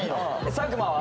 ・佐久間は？